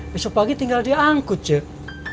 besok pagi tinggal diangkut jek